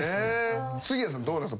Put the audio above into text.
杉谷さんどうなんすか？